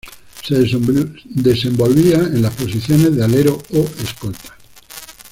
Se desenvolvía en las posiciones de alero o escolta.